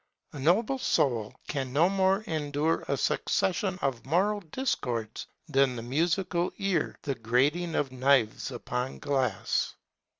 A noble soul can no more endure a succession of moral discords than the musical ear the grating of knives upon glass.